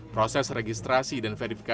proses registrasi dan verifikasi